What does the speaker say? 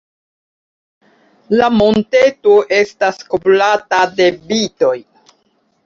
La monteto estas kovrata de vitoj.